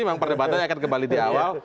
memang perdebatannya akan kembali di awal